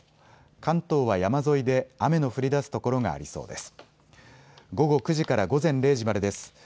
関東は山沿いで雨の降りだす所がありそうです。